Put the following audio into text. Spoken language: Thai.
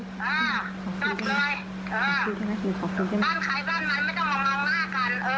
อ้าวจบเลย